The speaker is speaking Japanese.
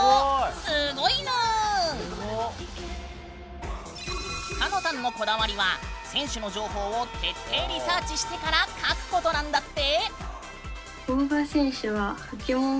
すごいぬーん！かのさんのこだわりは選手の情報を徹底リサーチしてから描くことなんだって。